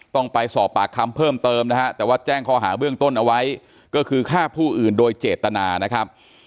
ต้องไปสอบปากคำเพิ่มเติมนะฮะแต่ว่าแจ้งข้อหาเบื้องต้นเอาไว้ก็คือฆ่าผู้อื่นโดยเจตนานะครับ